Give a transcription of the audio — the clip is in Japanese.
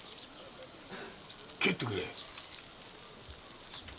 帰ってくれ。